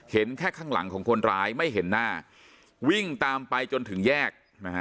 เห็นแค่ข้างหลังของคนร้ายไม่เห็นหน้าวิ่งตามไปจนถึงแยกนะฮะ